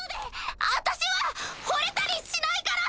私は惚れたりしないから！